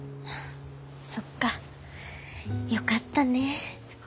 そっかよかったね。